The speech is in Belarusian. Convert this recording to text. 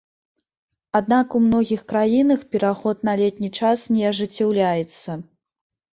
Аднак у многіх краінах пераход на летні час не ажыццяўляецца.